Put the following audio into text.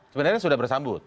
sebenarnya sudah bersambut